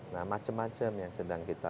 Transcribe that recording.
nah macem macem yang sedang gitu